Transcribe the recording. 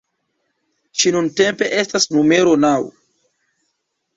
Ŝi nuntempe estas numero naŭ.